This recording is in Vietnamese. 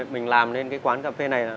mình làm nên quán cà phê này